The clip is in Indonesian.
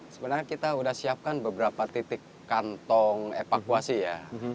sebenarnya kita sudah siapkan beberapa titik kantong evakuasi ya